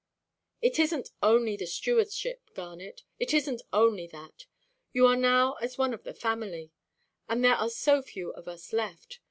"It isnʼt only the stewardship, Garnet; it isnʼt only that. You are now as one of the family, and there are so few of us left.